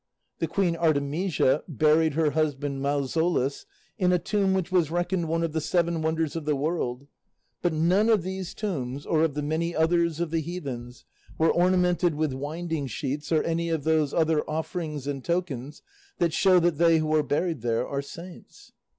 The queen Artemisia buried her husband Mausolus in a tomb which was reckoned one of the seven wonders of the world; but none of these tombs, or of the many others of the heathens, were ornamented with winding sheets or any of those other offerings and tokens that show that they who are buried there are saints."